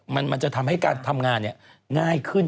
มันจะทำให้การทำงานง่ายขึ้น